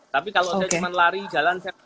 tapi kalau saya cuma lari jalan